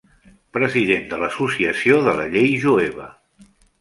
President de la Associació de la Llei Jueva.